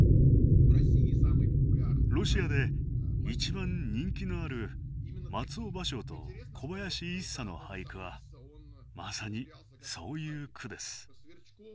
ロシアで一番人気のある松尾芭蕉と小林一茶の俳句はまさにそういう句です。